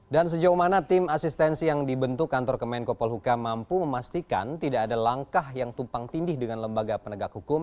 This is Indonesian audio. dan sejauh mana tim asistensi yang dibentuk kantor kemenko pelhukam mampu memastikan tidak ada langkah yang tumpang tindih dengan lembaga penegak hukum